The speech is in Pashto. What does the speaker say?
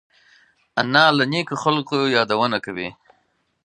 انا له نیکو خلقو یادونه کوي